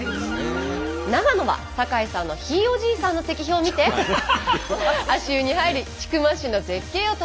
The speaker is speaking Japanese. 長野は坂井さんのひいおじいさんの石碑を見て足湯に入り千曲市の絶景を楽しむ。